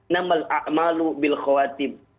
namal a'malu bil khuatib